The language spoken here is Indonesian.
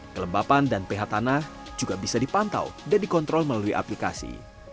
tanah juga bisa dipantau dan dikontrol melalui aplikasi